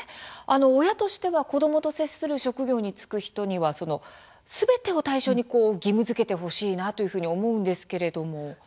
親としては子どもと接する職業に就く人にはすべてを対象に義務づけてほしいなというふうに思うんですけれども。